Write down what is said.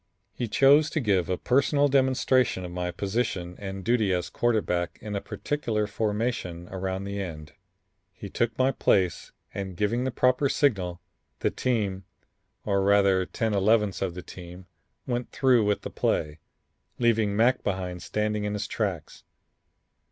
He chose to give a personal demonstration of my position and duty as quarterback in a particular formation around the end. He took my place and giving the proper signal, the team or rather ten elevenths of the team went through with the play, leaving Mac behind standing in his tracks.